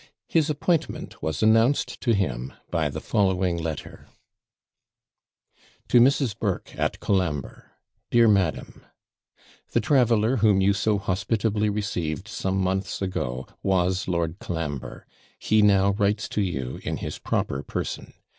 His appointment was announced to him by the following letter: To MRS. BURKE, AT COLAMBRE. DEAR MADAM, The traveller whom you so hospitably received some months ago was Lord Colambre he now writes to you in his proper person.